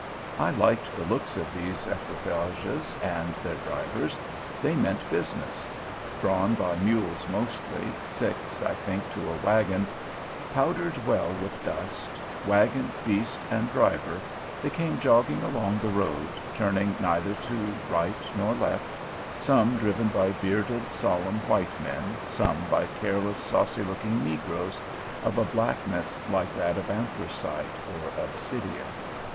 I liked the looks of these equipages and their drivers; they meant business. Drawn by mules mostly, six, I think, to a wagon, powdered well with dust, wagon, beast, and driver, they came jogging along the road, turning neither to right nor left, some driven by bearded, solemn white men, some by careless, saucy looking negroes, of a blackness like that of anthracite or obsidian.